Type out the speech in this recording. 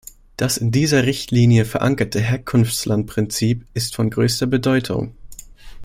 Das in dieser Richtlinie verankerte Herkunftslandprinzip ist von größter Bedeutung.